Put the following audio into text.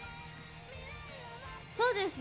そうですね。